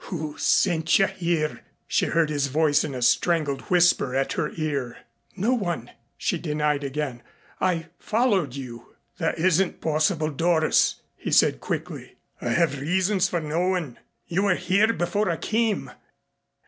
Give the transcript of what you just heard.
"Who sent you here?" she heard his voice in a strangled whisper at her ear. "No one," she denied again, "I followed you." "That isn't possible, Doris," he said quickly. "I have reasons for knowing. You were here before I came.